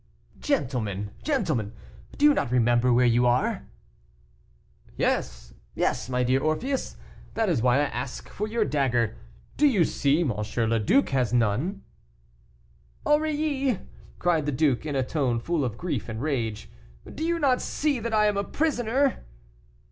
"Gentlemen, gentlemen, do you not remember where you are?" "Yes, yes, my dear Orpheus, that is why I ask for your dagger; you see M. le Duc has none." "Aurilly!" cried the duke, in a tone full of grief and rage, "do you not see that I am a prisoner?"